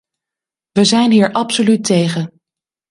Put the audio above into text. We zijn hier absoluut tegen.